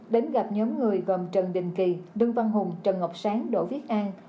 đến gặp nhóm người gồm trần đình kỳ đương văn hùng trần ngọc sáng đỗ viết an